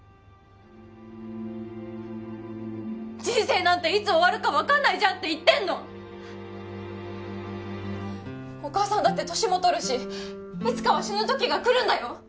人生なんていつ終わるか分かんないじゃんって言ってんのお母さんだって年も取るしいつかは死ぬときが来るんだよ